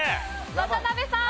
渡辺さん。